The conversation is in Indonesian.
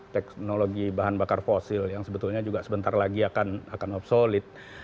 teknologi bahan bakar fosil yang sebetulnya juga sebentar lagi akan obsolid